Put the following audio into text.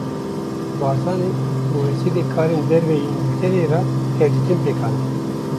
Barzanî, bi Wezîrê Karên Derve yê Îngîltereyê re hevdîtin pêk anî